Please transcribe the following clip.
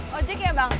eh ojek ya bang